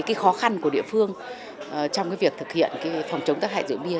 cái khó khăn của địa phương trong việc thực hiện phòng chống tắc hại rượu bia